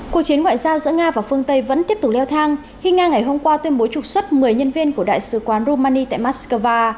cuộc chiến ngoại giao giữa nga và phương tây vẫn tiếp tục leo thang khi nga ngày hôm qua tuyên bố trục xuất một mươi nhân viên của đại sứ quán rumani tại moscow